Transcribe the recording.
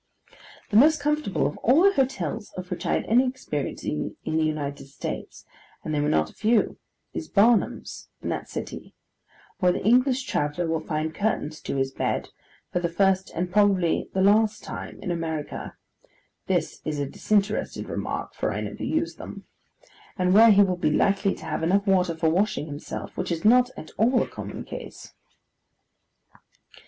The most comfortable of all the hotels of which I had any experience in the United States, and they were not a few, is Barnum's, in that city: where the English traveller will find curtains to his bed, for the first and probably the last time in America (this is a disinterested remark, for I never use them); and where he will be likely to have enough water for washing himself, which is not at all a common case.